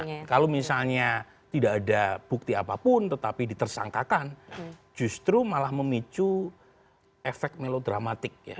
karena kalau misalnya tidak ada bukti apapun tetapi ditersangkakan justru malah memicu efek melodramatik ya